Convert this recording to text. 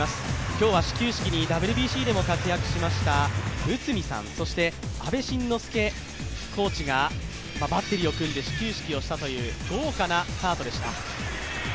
今日は始球式にＷＢＣでも活躍しました内海さん、そして阿部慎之助コーチがバッテリーを組んで始球式をしたという豪華なスタートでした。